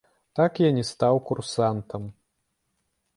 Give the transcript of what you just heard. Так я не стаў курсантам.